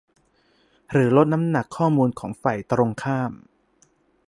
หรือลดน้ำหนักข้อมูลของฝ่ายตรงข้าม